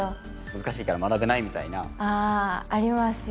難しいから学べないみたいな。ありますよ。